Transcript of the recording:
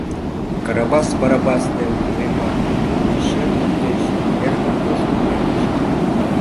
Карабас Барабас ден Дуремар пещер воктеч эркын ошкыл эртышт.